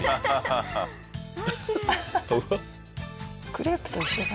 クレープと一緒だ。